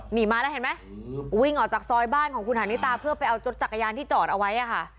หนีมาแล้วเห็นไหมวิ่งออกจากซอยบ้านของคุณหานิตาเพื่อไปเอารถจักรยานที่จอดเอาไว้อะค่ะ